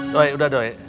doi udah doi